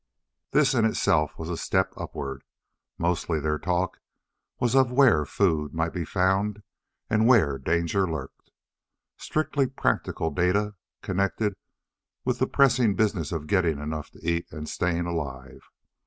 This in itself was a step upward. Mostly their talk was of where food might be found and where danger lurked. Strictly practical data connected with the pressing business of getting enough to eat and staying alive.